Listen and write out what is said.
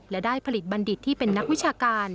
และได้ผลิตบัณฑิตที่เป็นนักวิชาการ